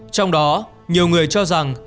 trong đó nhiều người cho rằng